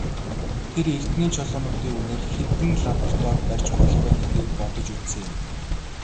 Тэр эрдэнийн чулуунуудын үнээр хэдэн лаборатори барьж болох вэ гэдгийг бодож үзсэн юм.